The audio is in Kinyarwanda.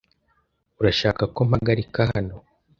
Urashaka ko mpagarika hano?